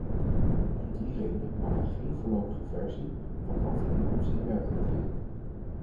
Om die reden mag er geen voorlopige versie van de overeenkomst in werking treden.